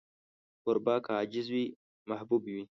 کوربه که عاجز وي، محبوب وي.